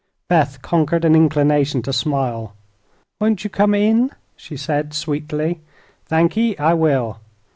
Beth conquered an inclination to smile. "Won't you come in?" she said, sweetly. "Thankee; I will.